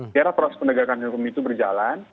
biarlah proses penegakan hukum itu berjalan